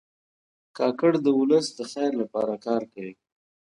کاکړ د ولس د خیر لپاره کار کوي.